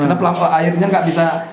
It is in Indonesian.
karena pelan pelan airnya gak bisa